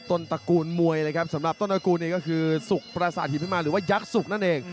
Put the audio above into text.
ตระกูลมวยเลยครับสำหรับต้นตระกูลเองก็คือสุขประสาทหิมพิมารหรือว่ายักษ์สุกนั่นเอง